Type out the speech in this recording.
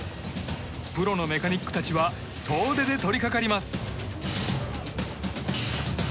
プロのメカニックたちは総出で取りかかります。